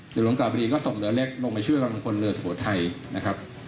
เรือกราบบรีก็ส่งเรือเล็กลงมาช่วยกำลังคนเรือสัตว์ไทยนะครับ